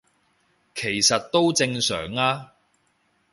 其實都正常吖